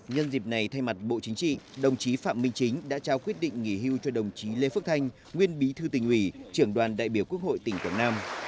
nhân dịp này thay mặt bộ chính trị đồng chí phạm minh chính đã trao quyết định nghỉ hưu cho đồng chí lê phước thanh nguyên bí thư tỉnh ủy trưởng đoàn đại biểu quốc hội tỉnh quảng nam